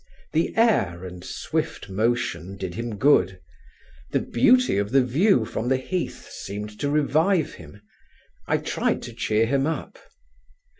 The air and swift motion did him good. The beauty of the view from the heath seemed to revive him. I tried to cheer him up.